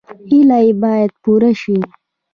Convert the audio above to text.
هیلې باید پوره شي